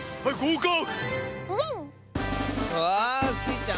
うわあ！スイちゃん